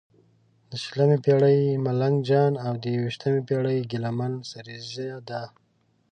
د شلمې پېړۍ ملنګ جان او د یوویشمې پېړې ګیله من سریزه ده.